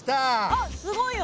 あっすごいよ。